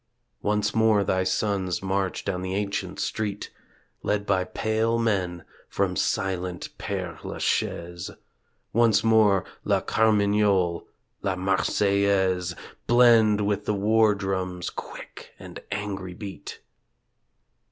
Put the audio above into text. Once more thy sons march down the ancient street Led by pale men from silent Pere la Chaise; Once more La Carmignole La Marseillaise Blend with the war drum's quick and angry beat.